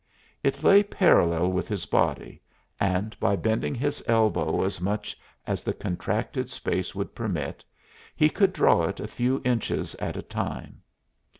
It lay parallel with his body, and by bending his elbow as much as the contracted space would permit, he could draw it a few inches at a time.